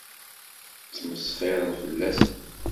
Ttmesxiṛen fell-asen.